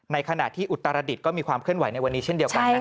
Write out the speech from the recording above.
ขณะที่อุตรดิษฐ์ก็มีความเคลื่อนไหวในวันนี้เช่นเดียวกัน